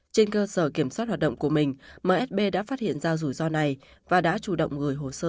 trên cơ sở kiểm soát hoạt động của mình msb đã phát hiện ra rủi ro này và đã chủ động gửi hồ sơ